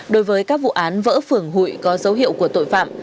đối với các vụ án vỡ phường hụi có dấu hiệu của tội phạm